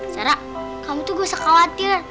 sarah kamu tuh gak usah khawatir